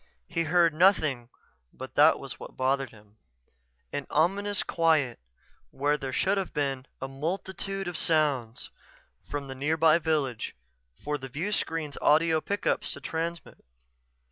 He heard nothing but that was what bothered him; an ominous quiet when there should have been a multitude of sounds from the nearby village for the viewscreen's audio pickups to transmit.